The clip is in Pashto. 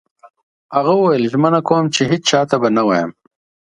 هغه وویل: ژمنه کوم چي هیڅ چا ته به نه وایم.